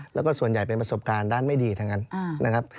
แล้วก็ส่วนใหญ่เป็นประสบการณ์ด้านไม่ดีทั้งนั้นนะครับ